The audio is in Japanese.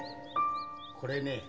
これね。